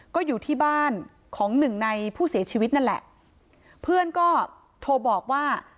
ก็อยู่ที่บ้านของหนึ่งในผู้เสียชีวิตนั่นแหละเพื่อนก็โทรบอกว่า